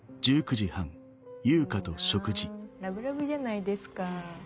いいなラブラブじゃないですか。